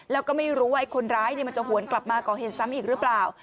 แล้วก็ไม่รู้ว่าคนร้ายมันจะหวนกลับมาก่อเหตุซ้ำอีกหรือเปล่า